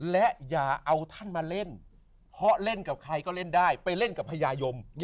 และอย่าเอาท่านมาเล่นเพราะเล่นกับใครก็เล่นได้ไปเล่นกับพญายม